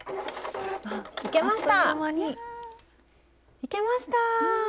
いけました！